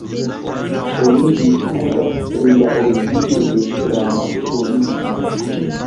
Oni disputas pri la origino de Framasonismo.